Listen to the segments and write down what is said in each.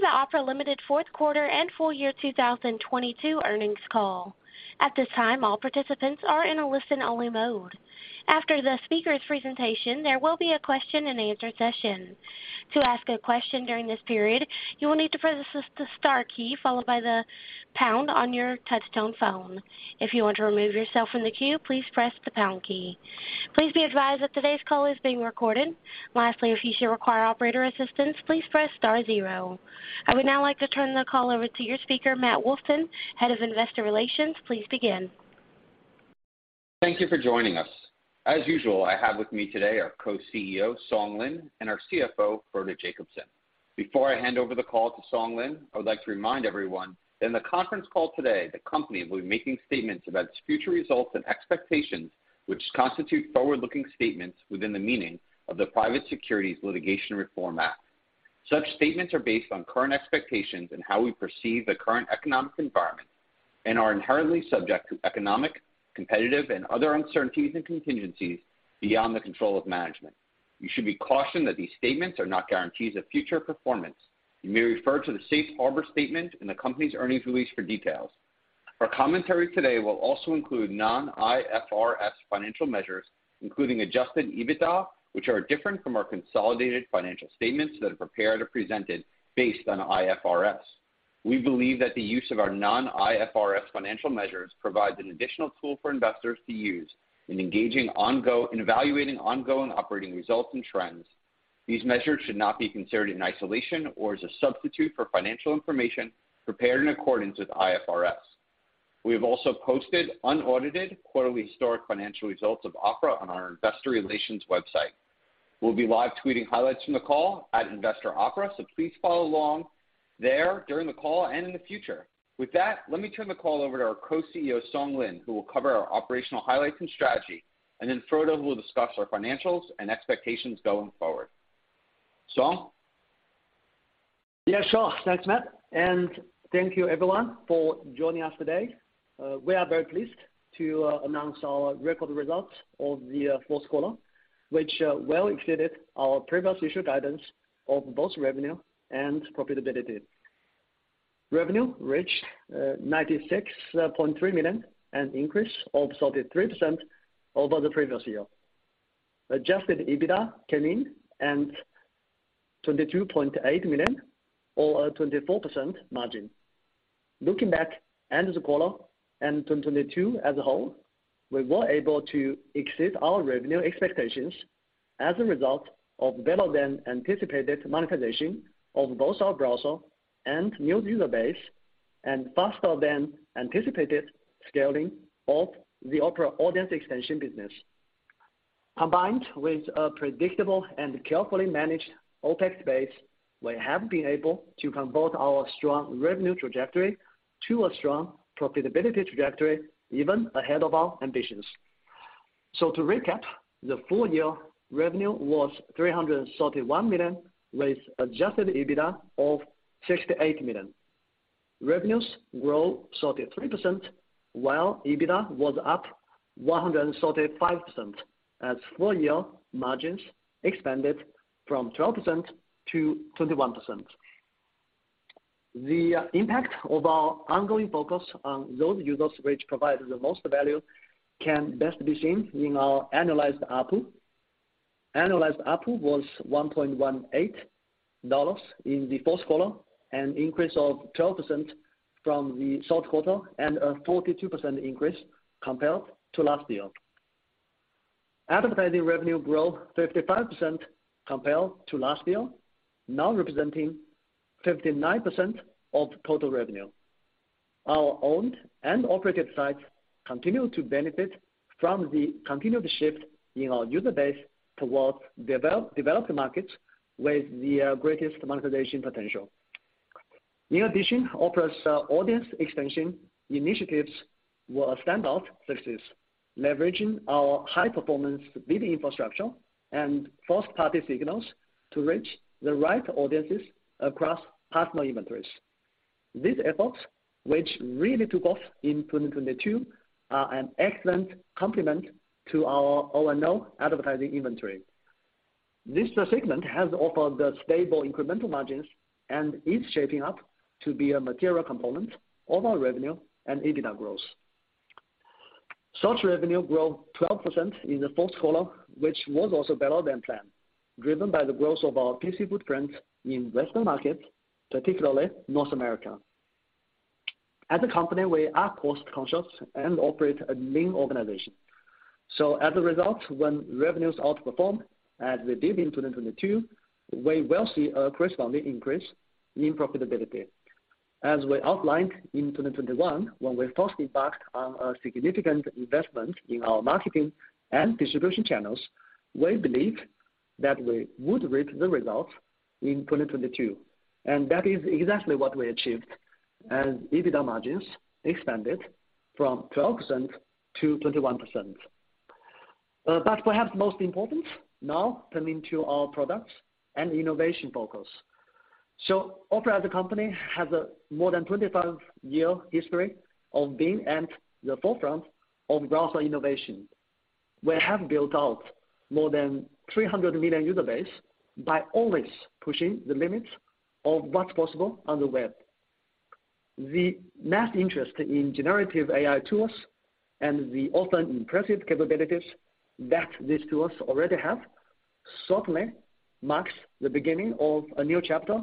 Welcome to the Opera Limited fourth quarter and full year 2022 earnings call. At this time, all participants are in a listen-only mode. After the speaker's presentation, there will be a question-and-answer session. To ask a question during this period, you will need to press the star key, followed by the Pound on your touch-tone phone. If you want to remove yourself from the queue, please press the Pound key. Please be advised that today's call is being recorded. Lastly, if you should require operator assistance, please press star zero. I would now like to turn the call over to your speaker, Matt Wolfson, Head of Investor Relations. Please begin. Thank you for joining us. As usual, I have with me today our Co-CEO, Song Lin, and our CFO, Frode Jacobsen. Before I hand over the call to Song Lin, I would like to remind everyone that in the conference call today, the company will be making statements about its future results and expectations, which constitute forward-looking statements within the meaning of the Private Securities Litigation Reform Act. Such statements are based on current expectations and how we perceive the current economic environment and are inherently subject to economic, competitive, and other uncertainties and contingencies beyond the control of management. You should be cautioned that these statements are not guarantees of future performance. You may refer to the safe harbor statement in the company's earnings release for details. Our commentary today will also include non-IFRS financial measures, including adjusted EBITDA, which are different from our consolidated financial statements that are prepared or presented based on IFRS. We believe that the use of our non-IFRS financial measures provides an additional tool for investors to use in evaluating ongoing operating results and trends. These measures should not be considered in isolation or as a substitute for financial information prepared in accordance with IFRS. We have also posted unaudited quarterly historic financial results of Opera on our investor relations website. We'll be live tweeting highlights from the call at Investor Opera, so please follow along there during the call and in the future. With that, let me turn the call over to our co-CEO, Song Lin, who will cover our operational highlights and strategy, and then Frode will discuss our financials and expectations going forward. Song? Yeah, sure. Thanks, Matt, thank you everyone for joining us today. We are very pleased to announce our record results of the fourth quarter, which well exceeded our previous issue guidance of both revenue and profitability. Revenue reached $96.3 million, an increase of 33% over the previous year. Adjusted EBITDA came in at $22.8 million or a 24% margin. Looking back at the quarter and 2022 as a whole, we were able to exceed our revenue expectations as a result of better-than-anticipated monetization of both our browser and new user base and faster-than-anticipated scaling of the Opera Audience Extension business. Combined with a predictable and carefully managed OpEx base, we have been able to convert our strong revenue trajectory to a strong profitability trajectory, even ahead of our ambitions. To recap, the full-year revenue was $331 million, with adjusted EBITDA of $68 million. Revenues grew 33%, while EBITDA was up 135% as full-year margins expanded from 12% to 21%. The impact of our ongoing focus on those users which provide the most value can best be seen in our annualized ARPU. Annualized ARPU was $1.18 in the fourth quarter, an increase of 12% from the third quarter and a 42% increase compared to last year. Advertising revenue grew 55% compared to last year, now representing 59% of total revenue. Our owned and operated sites continue to benefit from the continued shift in our user base towards developed markets with the greatest monetization potential. In addition, Opera's audience expansion initiatives were a standout success, leveraging our high-performance bidding infrastructure and first-party signals to reach the right audiences across partner inventories. These efforts, which really took off in 2022, are an excellent complement to our own advertising inventory. This segment has offered us stable incremental margins and is shaping up to be a material component of our revenue and EBITDA growth. Search revenue grew 12% in the fourth quarter, which was also better than planned, driven by the growth of our PC footprint in Western markets, particularly North America. As a result, when revenues outperform, as they did in 2022, we will see a corresponding increase in profitability. As we outlined in 2021, when we first embarked on a significant investment in our marketing and distribution channels, we believed that we would reap the results in 2022, and that is exactly what we achieved as EBITDA margins expanded from 12% to 21%. But perhaps most important, now coming to our products and innovation focus. Opera as a company has a more than 25-year history of being at the forefront of browser innovation. We have built out more than 300 million user base by always pushing the limits of what's possible on the web. The mass interest in generative AI tools and the often impressive capabilities that these tools already have certainly marks the beginning of a new chapter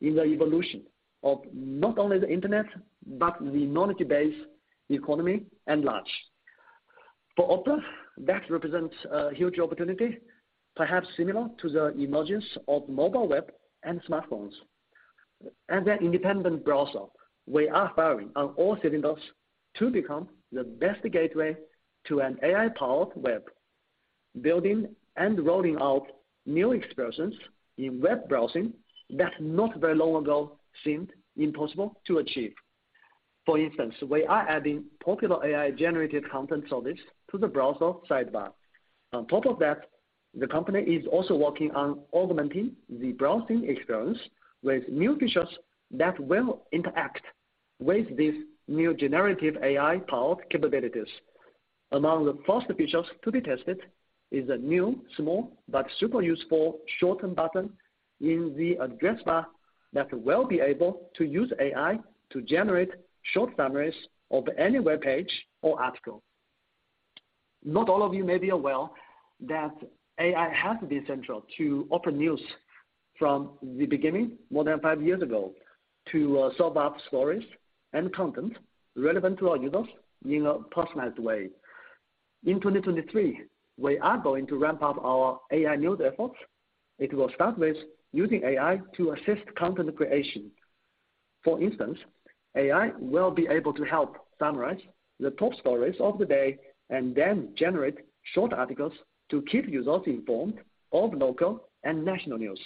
in the evolution of not only the Internet, but the knowledge base, economy at large. For Opera, that represents a huge opportunity, perhaps similar to the emergence of mobile web and smartphones. As an independent browser, we are firing on all cylinders to become the best gateway to an AI-powered web. Building and rolling out new experiences in web browsing that not very long ago seemed impossible to achieve. For instance, we are adding popular AI-generated content service to the browser sidebar. On top of that, the company is also working on augmenting the browsing experience with new features that will interact with these new generative AI-powered capabilities. Among the first features to be tested is a new, small, but super useful shorten button in the address bar that will be able to use AI to generate short summaries of any web page or article. Not all of you may be aware that AI has been central to Opera News from the beginning, more than five years ago, to serve up stories and content relevant to our users in a personalized way. In 2023, we are going to ramp up our AI news efforts. It will start with using AI to assist content creation. For instance, AI will be able to help summarize the top stories of the day and then generate short articles to keep users informed of local and national news.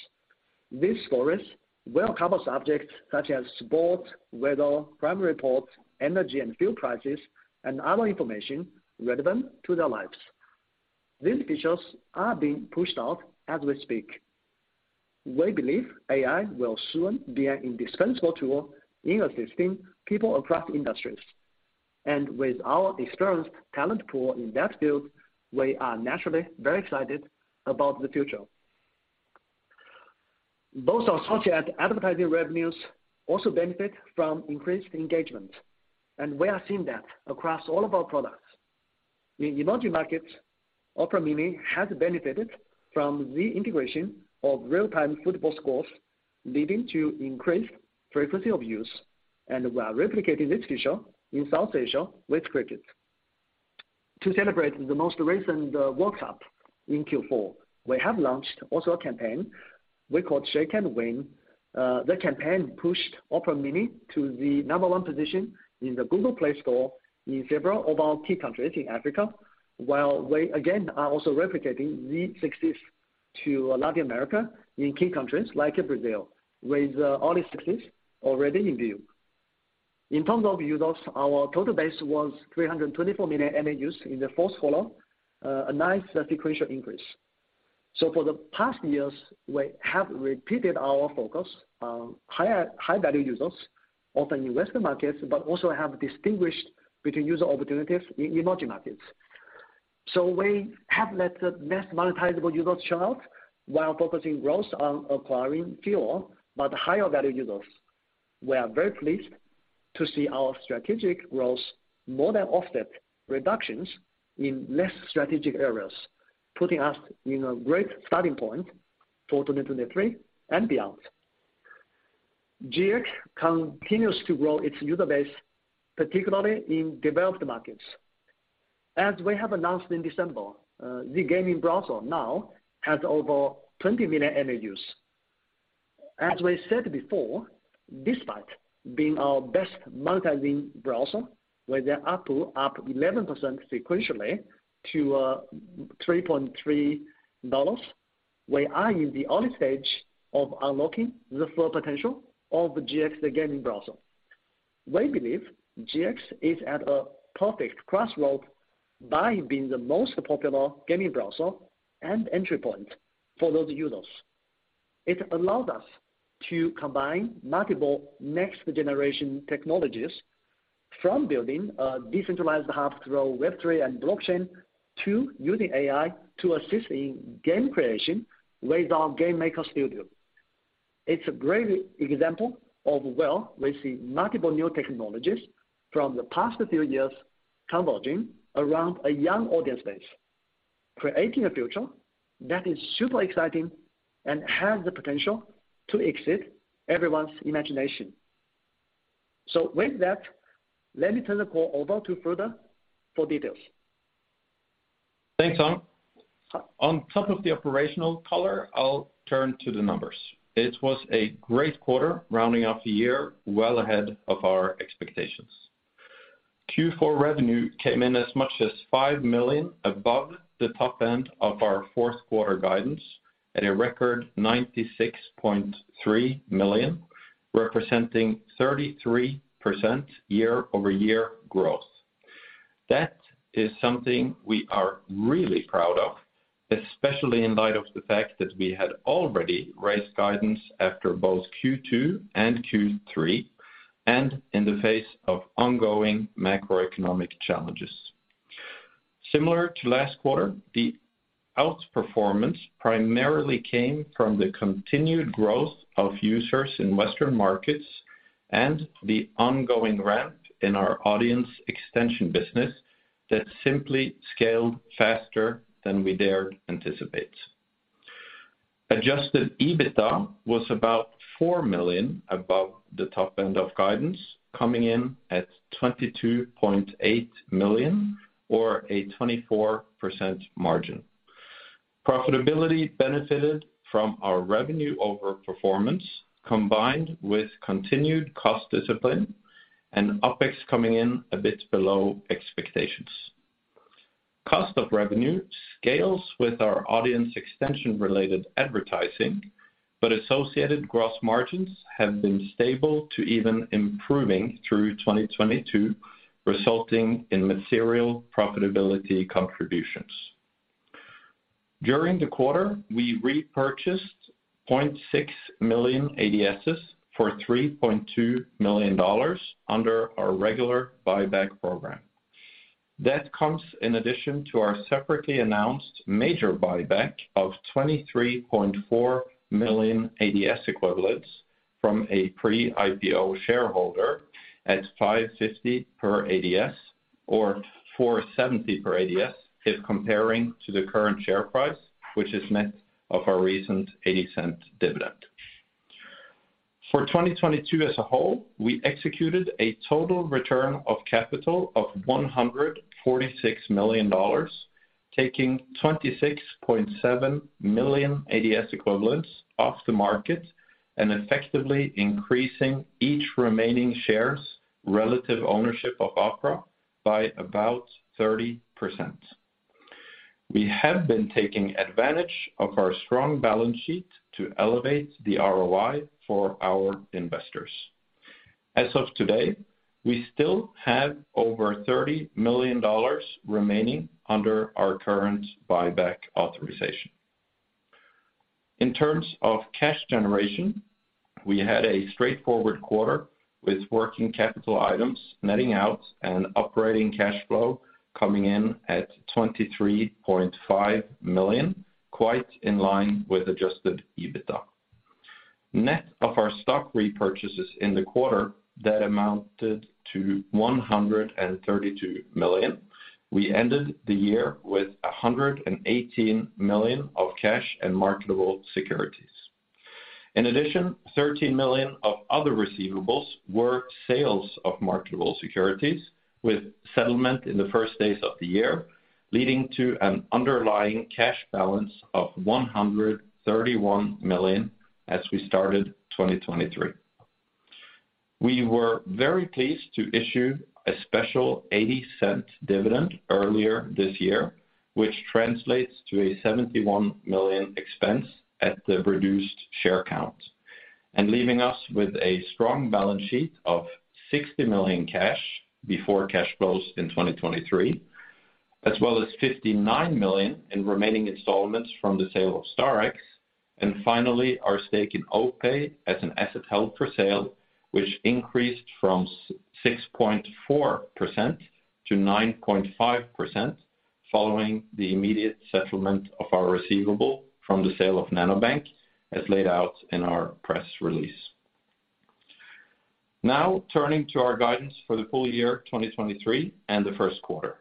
These stories will cover subjects such as sport, weather, crime reports, energy and fuel prices, and other information relevant to their lives. These features are being pushed out as we speak. We believe AI will soon be an indispensable tool in assisting people across industries. With our experienced talent pool in that field, we are naturally very excited about the future. Both our search and advertising revenues also benefit from increased engagement, and we are seeing that across all of our products. In emerging markets, Opera Mini has benefited from the integration of real-time football scores, leading to increased frequency of use, and we are replicating this feature in South Asia with cricket. To celebrate the most recent World Cup in Q4, we have launched also a campaign we called Shake & Win. The campaign pushed Opera Mini to the number one position in the Google Play Store in several of our key countries in Africa, while we again are also replicating the success to Latin America in key countries like Brazil, with early success already in view. In terms of users, our total base was 324 million MAUs in the first follow, a nice sequential increase. For the past years, we have repeated our focus on higher, high-value users, often in Western markets, but also have distinguished between user opportunities in emerging markets. We have let the less monetizable users churn out while focusing growth on acquiring fewer but higher value users. We are very pleased to see our strategic growth more than offset reductions in less strategic areas, putting us in a great starting point for 2023 and beyond. GX continues to grow its user base, particularly in developed markets. As we have announced in December, the gaming browser now has over 20 million MAUs. As we said before, despite being our best monetizing browser, with the ARPU up 11% sequentially to $3.3, we are in the early stage of unlocking the full potential of the GX, the gaming browser. We believe GX is at a perfect crossroad by being the most popular gaming browser and entry point for those users. It allows us to combine multiple next generation technologies from building a decentralized hub through Web3 and blockchain to using AI to assist in game creation with our GameMaker Studio. It's a great example of where we see multiple new technologies from the past few years converging around a young audience base, creating a future that is super exciting and has the potential to exceed everyone's imagination. With that, let me turn the call over to Frode for details. Thanks, An. On top of the operational color, I'll turn to the numbers. It was a great quarter, rounding off the year well ahead of our expectations. Q4 revenue came in as much as $5 million above the top end of our fourth quarter guidance at a record $96.3 million, representing 33% year-over-year growth. That is something we are really proud of, especially in light of the fact that we had already raised guidance after both Q2 and Q3. In the face of ongoing macroeconomic challenges. Similar to last quarter, the outperformance primarily came from the continued growth of users in Western markets and the ongoing ramp in our Opera Audience Extension business that simply scaled faster than we dared anticipate. adjusted EBITDA was about $4 million above the top end of guidance, coming in at $22.8 million or a 24% margin. Profitability benefited from our revenue overperformance, combined with continued cost discipline and OpEx coming in a bit below expectations. Cost of revenue scales with our Audience Extension-related advertising, but associated gross margins have been stable to even improving through 2022, resulting in material profitability contributions. During the quarter, we repurchased 0.6 million ADSs for $3.2 million under our regular buyback program. That comes in addition to our separately announced major buyback of 23.4 million ADS equivalents from a pre-IPO shareholder at $5.50 per ADS, or $4.70 per ADS if comparing to the current share price, which is net of our recent $0.80 dividend. For 2022 as a whole, we executed a total return of capital of $146 million, taking 26.7 million ADS equivalents off the market and effectively increasing each remaining share's relative ownership of Opera by about 30%. We have been taking advantage of our strong balance sheet to elevate the ROI for our investors. As of today, we still have over $30 million remaining under our current buyback authorization. In terms of cash generation, we had a straightforward quarter with working capital items netting out and operating cash flow coming in at $23.5 million, quite in line with adjusted EBITDA. Net of our stock repurchases in the quarter that amounted to $132 million, we ended the year with $118 million of cash and marketable securities. In addition, $13 million of other receivables were sales of marketable securities with settlement in the first days of the year, leading to an underlying cash balance of $131 million as we started 2023. We were very pleased to issue a special $0.80 dividend earlier this year, which translates to a $71 million expense at the reduced share count. Leaving us with a strong balance sheet of $60 million cash before cash flows in 2023, as well as $59 million in remaining installments from the sale of Star X. Finally, our stake in OPay as an asset held for sale, which increased from 6.4% to 9.5% following the immediate settlement of our receivable from the sale of Nanobank, as laid out in our press release. Turning to our guidance for the full year 2023 and the first quarter.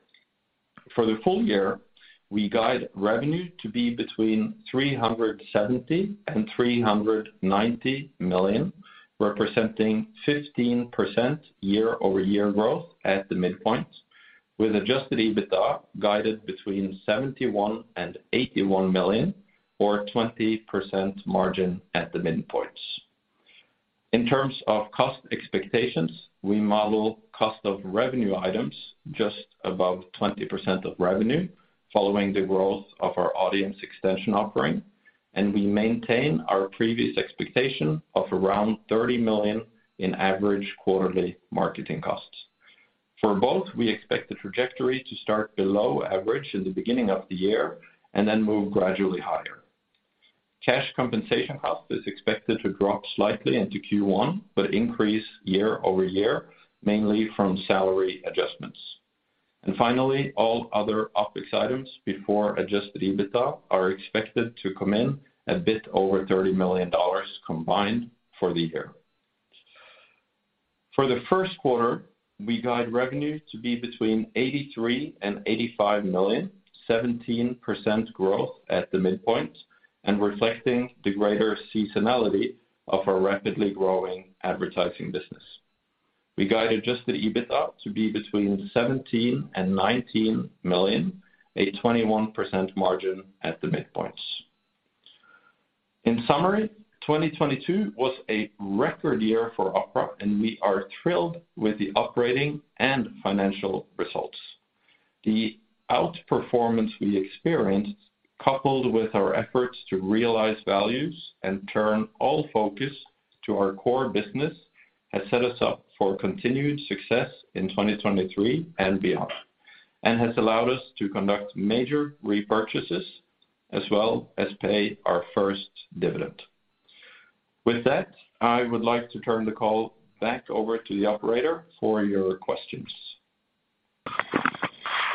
For the full year, we guide revenue to be between $370 million and $390 million, representing 15% year-over-year growth at the midpoint, with adjusted EBITDA guided between $71 million and $81 million or 20% margin at the midpoint. In terms of cost expectations, we model cost of revenue items just above 20% of revenue, following the growth of our audience extension offering. We maintain our previous expectation of around $30 million in average quarterly marketing costs. For both, we expect the trajectory to start below average in the beginning of the year, then move gradually higher. Cash compensation cost is expected to drop slightly into Q1, increase year-over-year, mainly from salary adjustments. Finally, all other OpEx items before adjusted EBITDA are expected to come in a bit over $30 million combined for the year. For the first quarter, we guide revenue to be between $83 million and $85 million, 17% growth at the midpoint, and reflecting the greater seasonality of our rapidly growing advertising business. We guide adjusted EBITDA to be between $17 million and $19 million, a 21% margin at the midpoint. In summary, 2022 was a record year for Opera, and we are thrilled with the operating and financial results. The outperformance we experienced, coupled with our efforts to realize values and turn all focus to our core business, has set us up for continued success in 2023 and beyond. Has allowed us to conduct major repurchases as well as pay our first dividend. With that, I would like to turn the call back over to the operator for your questions.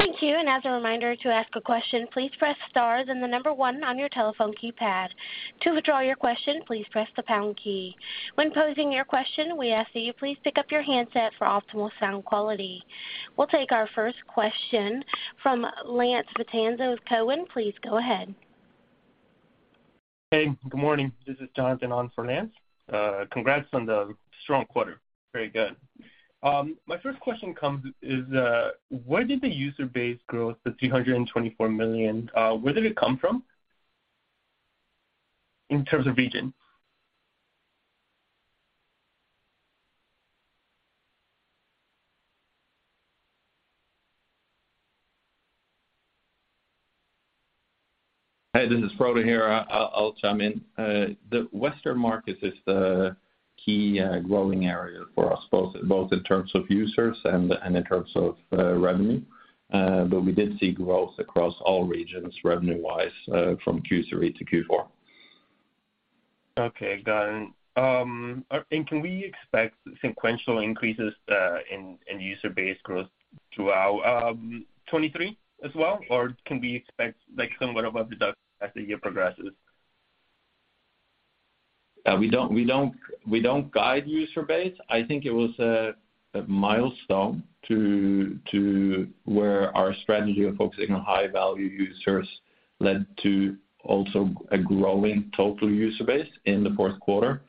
Thank you. As a reminder, to ask a question, please press star and one on your telephone keypad. To withdraw your question, please press the pound key. When posing your question, we ask that you please pick up your handset for optimal sound quality. We'll take our first question from Lance Vitanza with Cowen. Please go ahead. Hey, good morning. This is Jonathan on for Lance. Congrats on the strong quarter. Very good. My first question comes is, where did the user base growth, the 324 million, where did it come from? In terms of region? Hey, this is Frode here. I'll chime in. The Western market is the key growing area for us, both in terms of users and in terms of revenue. We did see growth across all regions revenue-wise, from Q3 to Q4. Okay, got it. Can we expect sequential increases in user base growth throughout 2023 as well? Or can we expect like somewhat of a deduction as the year progresses? We don't guide user base. I think it was a milestone to where our strategy of focusing on high-value users led to also a growing total user base in the fourth quarter.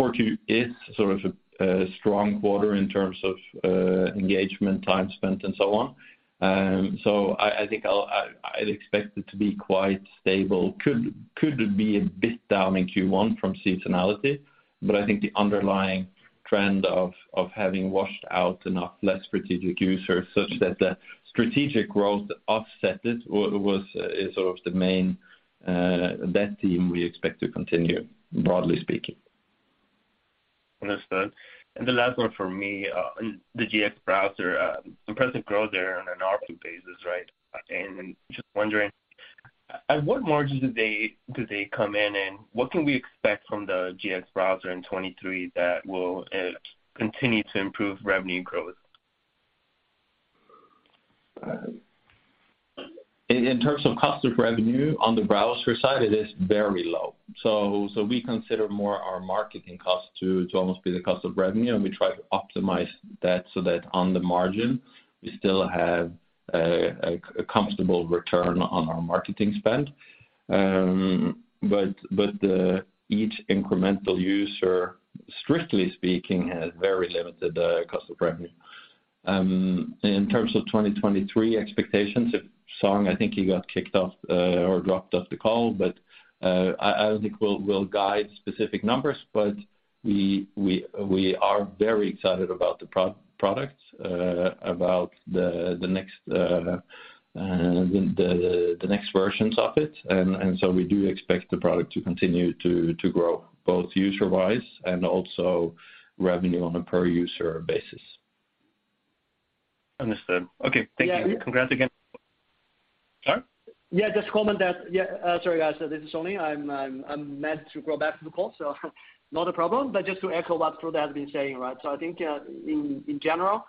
4Q is sort of a strong quarter in terms of engagement, time spent and so on. I think I'd expect it to be quite stable. Could be a bit down in Q1 from seasonality, but I think the underlying trend of having washed out enough less strategic users such that the strategic growth offset it was sort of the main bet theme we expect to continue, broadly speaking. Understood. The last one for me, the GX browser, impressive growth there on an ARPU basis, right? Just wondering, at what margin do they come in, and what can we expect from the GX browser in 23 that will continue to improve revenue growth? In terms of cost of revenue on the browser side, it is very low. We consider more our marketing cost to almost be the cost of revenue, and we try to optimize that so that on the margin, we still have a comfortable return on our marketing spend. Each incremental user, strictly speaking, has very limited cost of revenue. In terms of 2023 expectations, if Song, I think he got kicked off or dropped off the call, but I don't think we'll guide specific numbers, but we are very excited about the pro-product, about the next versions of it. We do expect the product to continue to grow both user-wise and also revenue on a per-user basis. Understood. Okay, thank you. Yeah. Congrats again. Sorry? Just comment that. Sorry, guys. This is Song Lin. I'm mad to go back to the call, so not a problem. Just to echo what Frode has been saying, right? I think in general,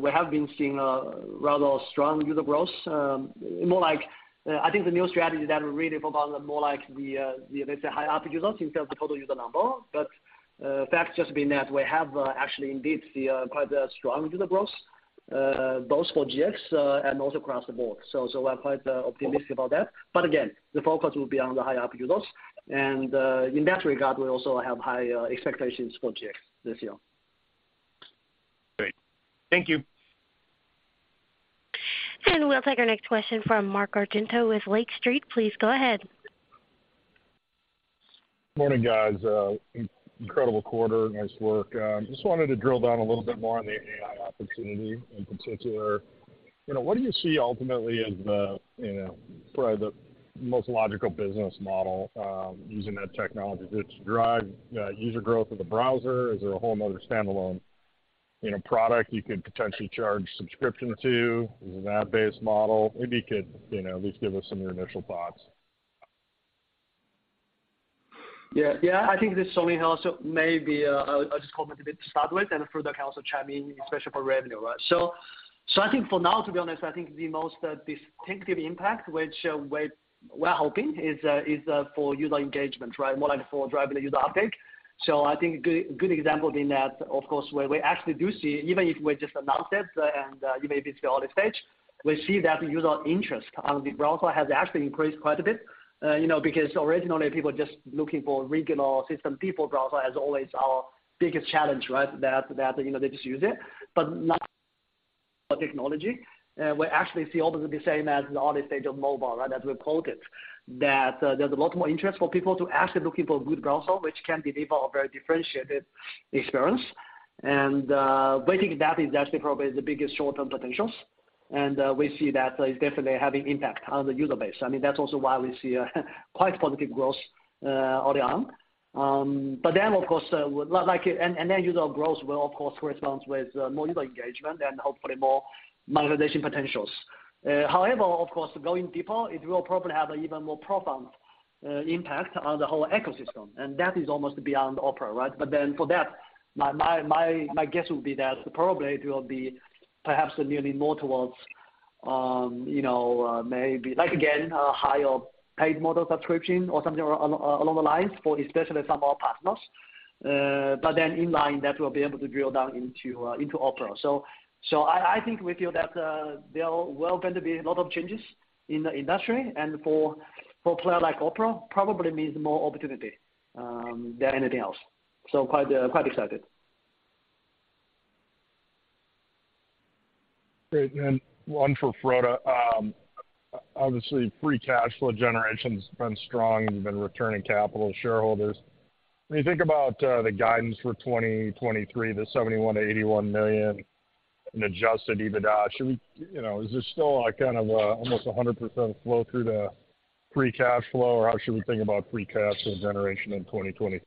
we have been seeing rather strong user growth, more like I think the new strategy that we really focus on more like the, let's say, high ARPU users in terms of total user number. Fact just being that we have actually indeed see quite a strong user growth both for GX and also across the board. We're quite optimistic about that. Again, the focus will be on the high ARPU users. In that regard, we also have high expectations for GX this year. Great. Thank you. We'll take our next question from Mark Argento with Lake Street. Please go ahead. Morning, guys. Incredible quarter. Nice work. Just wanted to drill down a little bit more on the AI opportunity in particular. You know, what do you see ultimately as the, you know, probably the most logical business model using that technology? Does it drive user growth of the browser? Is it a whole other standalone, you know, product you could potentially charge subscription to? Is it an ad-based model? Maybe you could, you know, at least give us some of your initial thoughts. Yeah. Yeah, I think this is Song Li also maybe, I'll just comment a bit to start with and Frode can also chime in, especially for revenue, right? I think for now, to be honest, I think the most distinctive impact which we're hoping is for user engagement, right? More like for driving the user uptake. I think good example being that, of course, where we actually do see, even if we just announced it and even if it's early stage, we see that user interest on the browser has actually increased quite a bit. You know, because originally people just looking for regular system, people browser as always our biggest challenge, right? That, you know, they just use it. Now technology, we actually see all of it the same as the early stage of mobile, right? As we called it, that, there's a lot more interest for people to actually looking for a good browser, which can deliver a very differentiated experience. We think that is actually probably the biggest short-term potentials. We see that is definitely having impact on the user base. I mean, that's also why we see a quite positive growth on the arm. Of course, and then user growth will of course correspond with more user engagement and hopefully more monetization potentials. However, of course, going deeper, it will probably have an even more profound impact on the whole ecosystem, and that is almost beyond Opera, right? For that, my guess would be that probably it will be perhaps leaning more towards, you know, maybe like, again, a higher paid model subscription or something along the lines for especially some of our partners. In line, that will be able to drill down into Opera. I think we feel that there will going to be a lot of changes in the industry and for a player like Opera, probably means more opportunity than anything else. Quite excited. Great. One for Frode. Obviously, free cash flow generation's been strong. You've been returning capital to shareholders. When you think about, the guidance for 2023, the $71 million-$81 million in adjusted EBITDA, should we... You know, is this still like kind of a almost 100% flow through the free cash flow? Or how should we think about free cash flow generation in 2020?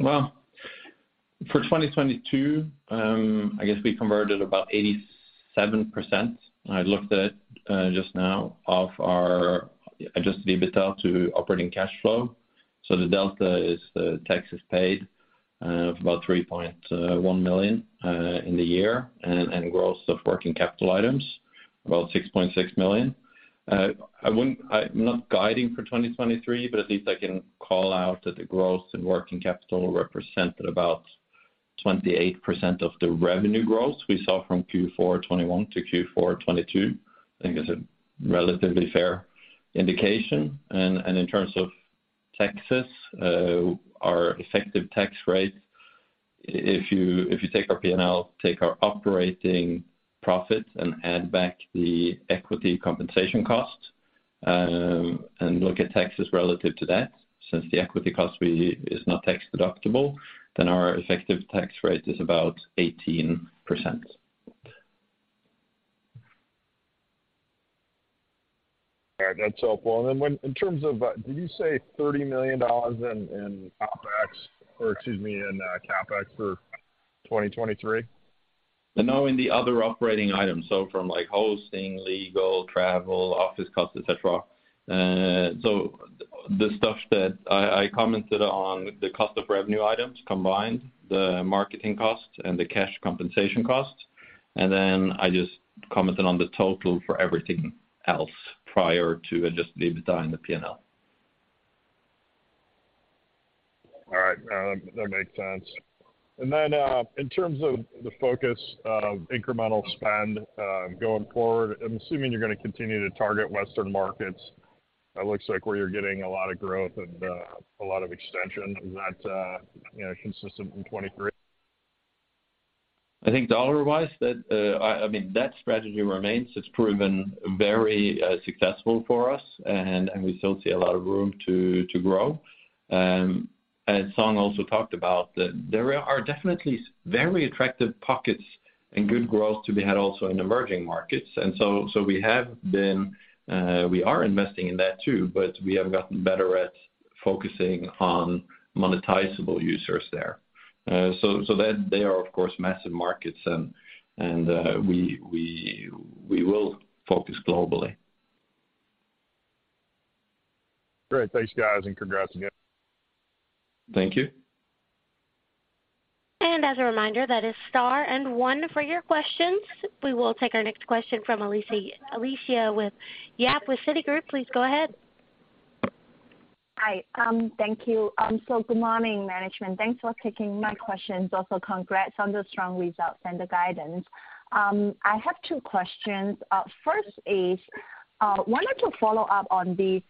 Well, for 2022, I guess we converted about 87%. I looked at it just now of our adjusted EBITDA to operating cash flow. The delta is the taxes paid of about $3.1 million in the year and growth of working capital items, about $6.6 million. I'm not guiding for 2023, but at least I can call out that the growth in working capital represented about 28% of the revenue growth we saw from Q4 2021 to Q4 2022. I think it's a relatively fair indication. In terms of taxes, our effective tax rate, if you take our P&L, take our operating profit and add back the equity compensation cost, and look at taxes relative to that, since the equity cost is not tax-deductible, then our effective tax rate is about 18%. All right. That's helpful. In terms of, did you say $30 million in OpEx or, excuse me, in CapEx for 2023? In the other operating items, so from like hosting, legal, travel, office costs, et cetera. The stuff that I commented on the cost of revenue items combined, the marketing costs and the cash compensation costs, and then I just commented on the total for everything else prior to adjusted EBITDA in the P&L. All right. No, that makes sense. In terms of the focus of incremental spend going forward, I'm assuming you're gonna continue to target Western markets. That looks like where you're getting a lot of growth and a lot of extension. Is that, you know, consistent in 2023? I think dollar-wise, that, I mean that strategy remains. It's proven very successful for us, and we still see a lot of room to grow. As Song also talked about, that there are definitely very attractive pockets and good growth to be had also in emerging markets. So we have been, we are investing in that too, but we have gotten better at focusing on monetizable users there. So that they are of course massive markets and we will focus globally. Great. Thanks, guys. Congrats again. Thank you. As a reminder, that is star one for your questions. We will take our next question from Alicia Yap with Citigroup. Please go ahead. Hi. Thank you. Good morning, management. Thanks for taking my questions. Also congrats on the strong results and the guidance. I have two questions. First is, wanted to follow up on this,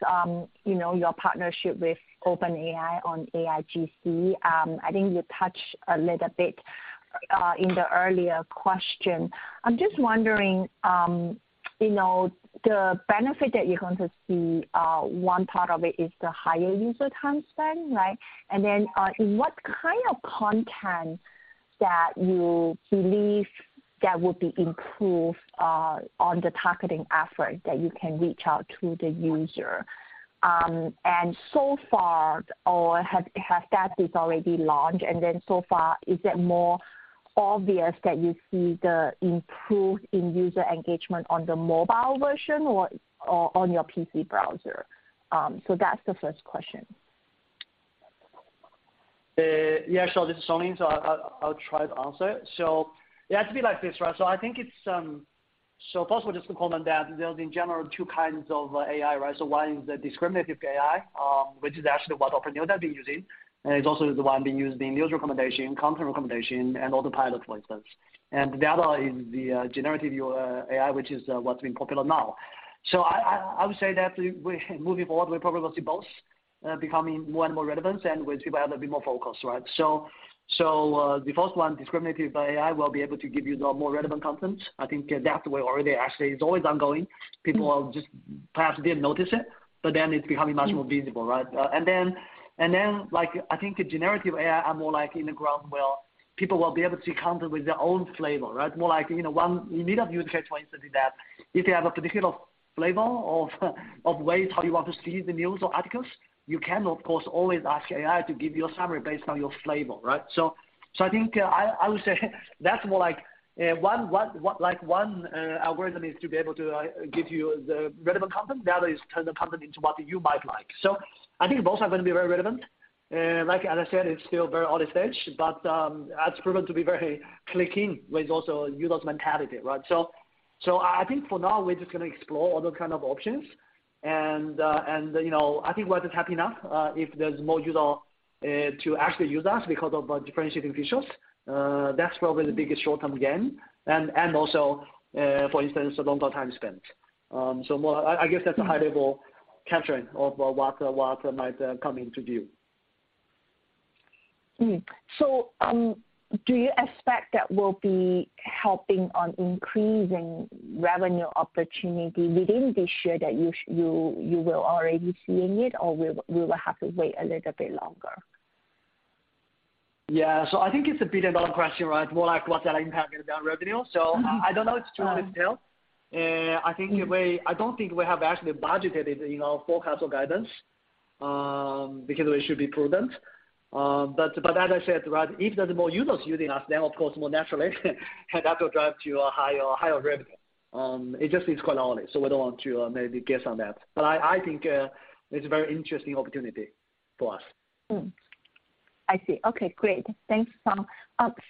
you know, your partnership with OpenAI on AIGC. I think you touched a little bit in the earlier question. I'm just wondering, you know, the benefit that you're going to see, one part of it is the higher user time spend, right? In what kind of content that you believe that would be improved on the targeting effort that you can reach out to the user. So far or has that already launched and then so far is it more obvious that you see the improved in user engagement on the mobile version or on your PC browser? That's the first question. Yeah, sure. This is Song Lin. I'll try to answer it. It has to be like this, right? I think it's. First of all, just to comment that there's in general two kinds of AI, right? One is the discriminative AI, which is actually what Opera News have been using, and it's also the one being used in news recommendation, content recommendation and autopilot, for instance. The other is the generative AI, which is what's been popular now. I would say that we're moving forward, we probably will see both becoming more and more relevant and with people a little bit more focused, right? The first one, discriminative AI, will be able to give you the more relevant content. I think that way already, actually, it's always ongoing. Mm-hmm. People just perhaps didn't notice it, but then it's becoming much more visible, right? And then, like, I think the generative AI are more like in the ground where people will be able to see content with their own flavor, right? More like, you know, you need a use case, for instance, is that if you have a particular flavor of ways how you want to see the news or articles, you can of course always ask AI to give you a summary based on your flavor, right? I think, I would say that's more like one algorithm is to be able to give you the relevant content. The other is turn the content into what you might like. I think both are gonna be very relevant. Like, as I said, it's still very early stage, but that's proven to be very clicking with also users mentality, right? I think for now, we're just gonna explore other kind of options and, you know, I think we're just happy enough if there's more user to actually use us because of our differentiating features. That's probably the biggest short-term gain. Also, for instance, the longer time spent. More... I guess that's a high level capturing of what might come into view. Do you expect that will be helping on increasing revenue opportunity within this year that you will already seeing it or we will have to wait a little bit longer? Yeah. I think it's a $1 billion question, right? More like what's that impact gonna be on revenue. I don't know. It's too early to tell. I don't think we have actually budgeted in our forecast or guidance, because we should be prudent. As I said, right, if there's more users using us, then of course more naturally and that will drive to a higher revenue. It just is quite early, so we don't want to maybe guess on that. I think, it's a very interesting opportunity for us. I see. Okay, great. Thanks, Song.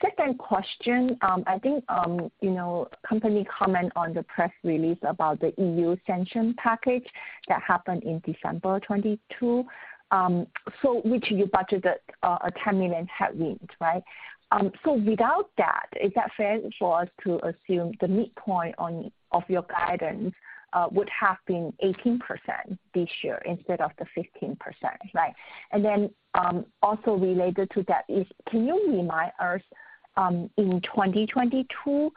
Second question. I think, you know, company comment on the press release about the EU sanction package that happened in December 2022, so which you budgeted a $10 million headwind, right? Without that, is that fair for us to assume the midpoint on, of your guidance, would have been 18% this year instead of the 15%, right? Also related to that is can you remind us in 2022,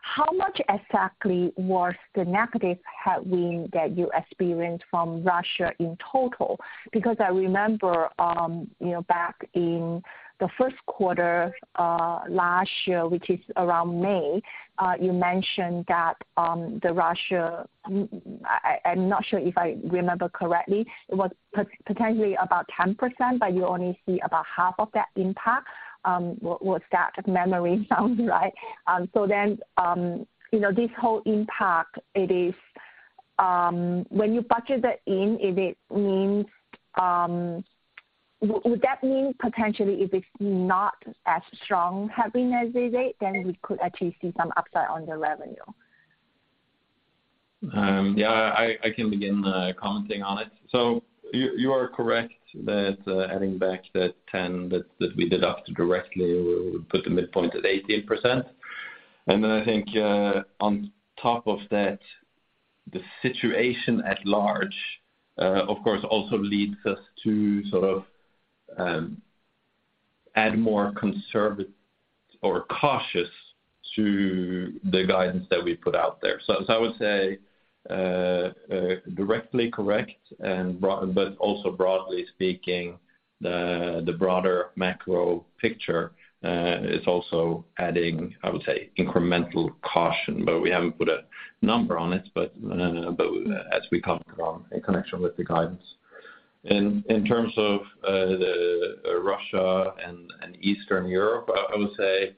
how much exactly was the negative headwind that you experienced from Russia in total? Because I remember, you know, back in the first quarter last year, which is around May, you mentioned that the Russia... I'm not sure if I remember correctly. It was potentially about 10%, but you only see about half of that impact. Was that memory sounds right? You know, this whole impact it is, when you budget it in, it means, would that mean potentially if it's not as strong headwind as they say, then we could actually see some upside on the revenue? Yeah, I can begin commenting on it. You are correct that adding back that 10 that we deduct directly would put the midpoint at 18%. I think, on top of that, the situation at large, of course, also leads us to sort of add more cautious to the guidance that we put out there. I would say, directly correct and broad, but also broadly speaking, the broader macro picture, is also adding, I would say, incremental caution, but we haven't put a number on it, but as we come from in connection with the guidance. In terms of the Russia and Eastern Europe, I would say,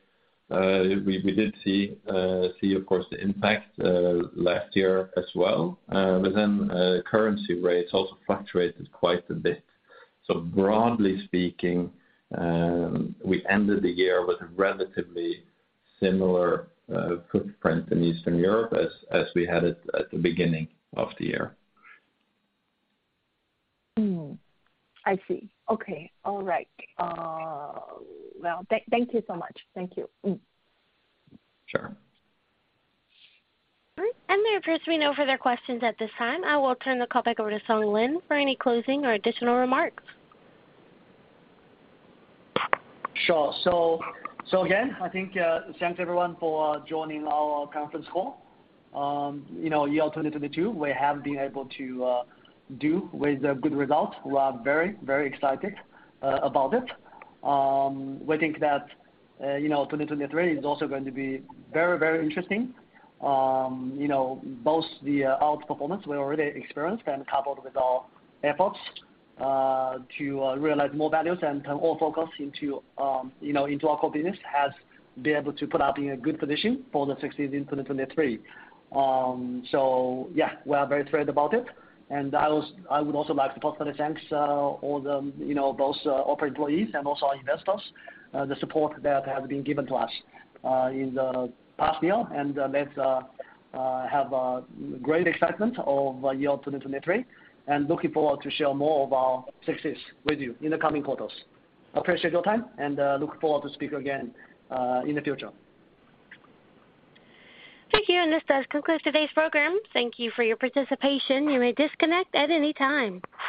we did see of course the impact last year as well. Currency rates also fluctuated quite a bit. Broadly speaking, we ended the year with a relatively similar footprint in Eastern Europe as we had it at the beginning of the year. I see. Okay. All right. Well, thank you so much. Thank you. Sure. All right. There appears to be no further questions at this time. I will turn the call back over to Song Lin for any closing or additional remarks. Sure. Again, I think, thanks everyone for joining our conference call. You know, year 2022, we have been able to, do with the good results. We are very excited, about it. We think that, you know, 2023 is also going to be very interesting. You know, both the, out performance we already experienced and coupled with our efforts, to, realize more values and turn all focus into, you know, into our core business has been able to put us in a good position for the success in 2023. Yeah, we are very thrilled about it. I would also like to personally thank, all the, you know, both Opera employees and also our investors, the support that has been given to us in the past year. Let's have a great excitement of year 2023, and looking forward to share more of our success with you in the coming quarters. Appreciate your time, and look forward to speak again in the future. Thank you. This does conclude today's program. Thank you for your participation. You may disconnect at any time.